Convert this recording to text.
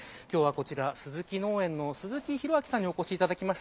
こちらは鈴木農園の鈴木さんにお越しいただきました。